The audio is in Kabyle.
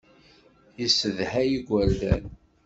Yessedhay igerdan.